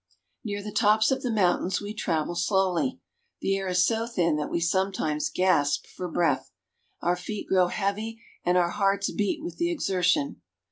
Near the tops of the mountains we travel slowly. The air is so thin that we sometimes gasp for breath. Our feet grow heavy and our hearts beat with the exertion.